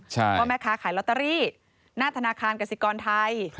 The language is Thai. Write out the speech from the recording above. เพราะแม่ค้าขายลอตเตอรี่หน้าธนาคารกสิกรไทย